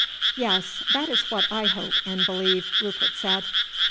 "Yes, that is what I hope and believe," Rupert said.